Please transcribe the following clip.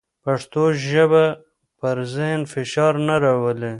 پښتو ژبه پر ذهن فشار نه راولي.